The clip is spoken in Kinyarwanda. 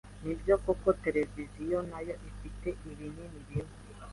Nibyo koko televiziyo nayo ifite ibibi bimwe.